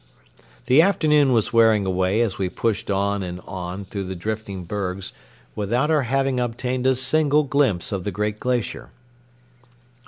The afternoon was wearing away as we pushed on and on through the drifting bergs without our having obtained a single glimpse of the great glacier.